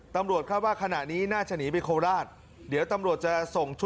ตำรวจคาดว่าขณะนี้น่าจะหนีไปโคราชเดี๋ยวตำรวจจะส่งชุด